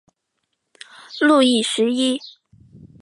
路易十一。